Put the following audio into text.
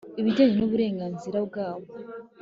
ibijyanye n uburenganzira bwabo